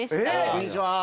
こんにちは。